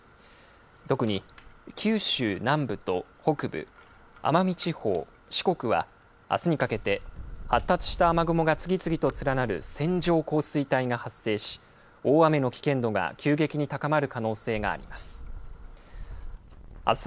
特に九州南部と北部、奄美地方、四国は、あすにかけて発達した雨雲が次々と連なる線状降水帯が発生し、大雨の危険度が急激に高まる可能性があります。